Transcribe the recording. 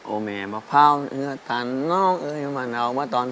โอเมะเผ้าเนื้อตานนอกเอยมะนาวมาตอน๓๐